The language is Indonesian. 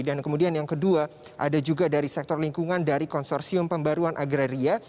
dan kemudian yang kedua ada juga dari sektor lingkungan dari konsorsium pembaruan agraria